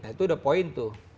itu udah poin tuh